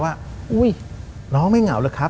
ว่าอุ้ยน้องไม่เหงาหรอกครับ